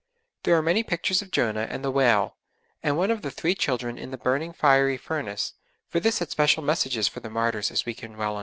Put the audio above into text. There are many pictures of Jonah and the whale, and one of the three children in the burning fiery furnace, for this had special messages for the martyrs as we can well understand.